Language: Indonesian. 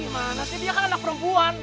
gimana sih dia kan anak perempuan